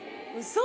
嘘！